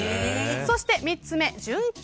そして３つ目、純金